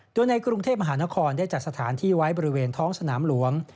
โดยในกรุงเทพมหานครได้จัดสถานที่ไว้บริเวณท้องสนามหลวง